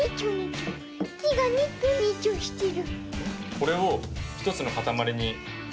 これを１つのかたまりにします。